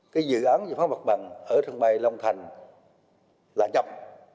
cái dự án giải phóng mặt bằng ở sân bay long thành là chậm